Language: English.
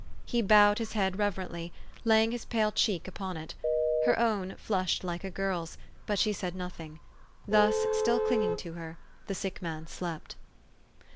He bowed his head reverently, laying his pale cheek upon it. Her own flushed like a girl's ; but she said nothing. Thus, still clinging to her, the sick man slept.